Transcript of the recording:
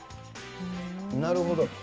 なるほど。